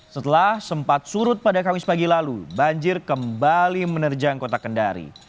setelah sempat surut pada kamis pagi lalu banjir kembali menerjang kota kendari